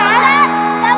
ya si anak anak